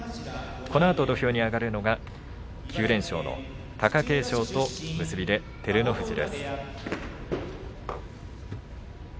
このあと土俵に９連勝の貴景勝そして結びで照ノ富士です。